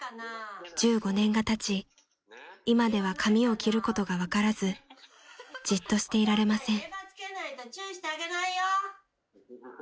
［１５年がたち今では髪を切ることが分からずじっとしていられません］